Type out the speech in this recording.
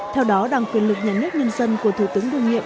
theo đó đảng quyền lực nhà nước nhân dân của thủ tướng đương nhiệm